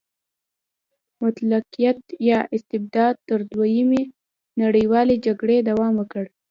مطلقیت یا استبداد تر دویمې نړیوالې جګړې دوام وکړ.